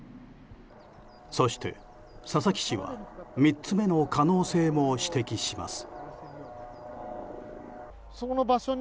そして、佐々木氏は３つ目の可能性も指摘します。